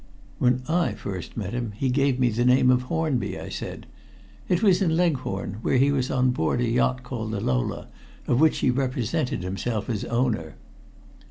"When I first met him he gave me the name of Hornby," I said. "It was in Leghorn, where he was on board a yacht called the Lola, of which he represented himself as owner."